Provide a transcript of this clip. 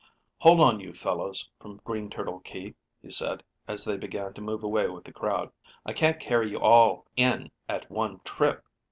"Hold on, you fellows from Green Turtle Key," he said, as they began to move away with the crowd. "I can't carry you all in at one trip.